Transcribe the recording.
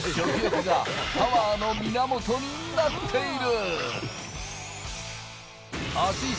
アツい食欲がパワーの源になっている。